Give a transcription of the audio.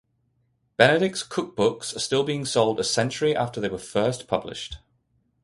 Benedict's cook books are still being sold a century after they were first published.